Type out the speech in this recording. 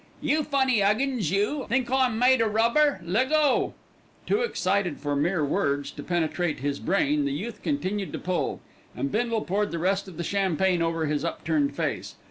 "You funny 'Uggins, you! Think I'm made o' rubber? Leggo!" Too excited for mere words to penetrate to his brain, the youth continued to pull, and Bindle poured the rest of the champagne over his upturned face.